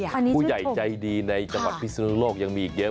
ผู้ใหญ่ใจดีในจังหวัดพิศนุโลกยังมีอีกเยอะ